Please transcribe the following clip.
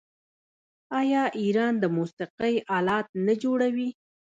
آیا ایران د موسیقۍ الات نه جوړوي؟